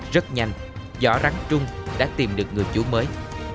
rất nhanh rõ rắn trung đã tìm được người chú mới